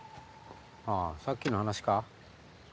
あぁさっきの話か？